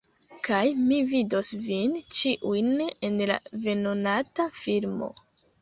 Kaj mi vidos vin ĉiujn en la venonata filmo.